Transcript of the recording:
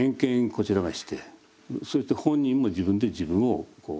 こちらがしてそして本人も自分で自分を振り返る。